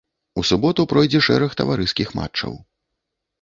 У суботу пройдзе шэраг таварыскіх матчаў.